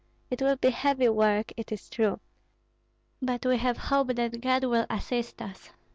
It will be heavy work, it is true. But we have hope that God will assist us."